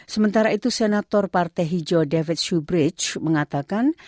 sementara itu senator partai hijau david subridge mengatakan